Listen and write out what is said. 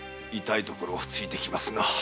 痛いところを突いてきますな。